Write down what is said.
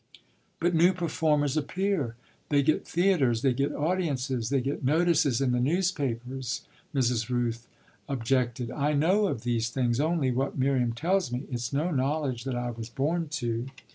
"But new performers appear; they get theatres, they get audiences, they get notices in the newspapers," Mrs. Rooth objected. "I know of these things only what Miriam tells me. It's no knowledge that I was born to."